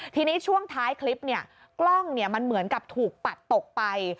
ทีนี้ช่วงท้ายคลิปเนี่ยกล้องมันเหมือนกับถูกปัดตกไป